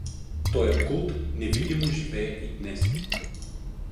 Тоя култ невидимо живее и днес.